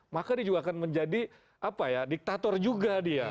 maka dia juga akan menjadi diktator juga dia